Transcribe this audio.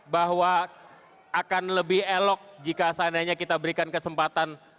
bahwa akan lebih elok jika seandainya kita berikan kesempatan